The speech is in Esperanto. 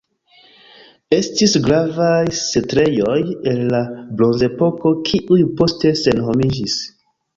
Estis gravaj setlejoj el la Bronzepoko, kiuj poste senhomiĝis.